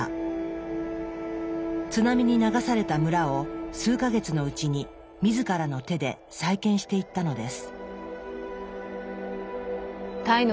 津波に流された村を数か月のうちに自らの手で再建していったのです。